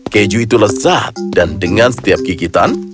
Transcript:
keju itu lezat dan dengan setiap gigitan